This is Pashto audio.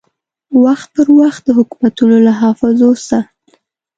وخت پر وخت د حکومتو له حافظو سه